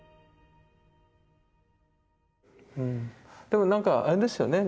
でもなんかあれですよね